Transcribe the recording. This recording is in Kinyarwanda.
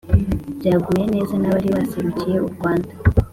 byaguye neza n'abari baserukiye u rwanda.